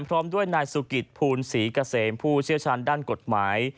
พร้อมด้วยนายสุกิตภูลศรีเกษมผู้เชี่ยวชาญด้านกฎหมาย